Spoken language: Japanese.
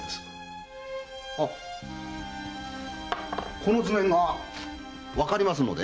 この図面がわかりますので？